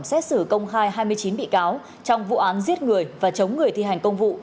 xét xử công khai hai mươi chín bị cáo trong vụ án giết người và chống người thi hành công vụ